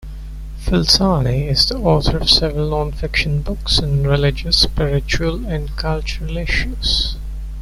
Falsani is the author of several non-fiction books on religious, spiritual, and cultural issues.